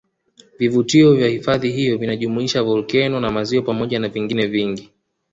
Vivutio katika hifadhi hiyo vinajumuisha volkeno na maziwa pamoja na vingine vingi